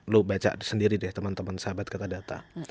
lu baca sendiri deh temen temen sahabat ketadata